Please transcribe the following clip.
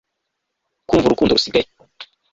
kumva urukundo rusigaye